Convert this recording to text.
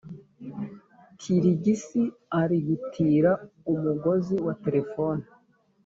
Tirigisi ari gutira umugozi wa telephone